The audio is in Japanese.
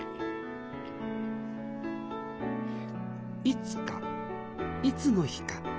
いつかいつの日か。